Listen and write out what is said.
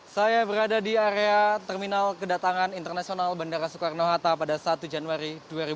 saya berada di area terminal kedatangan internasional bandara soekarno hatta pada satu januari dua ribu dua puluh